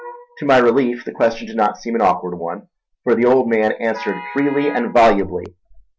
To my relief, the question did not seem an awkward one; for the old man answered freely and volubly.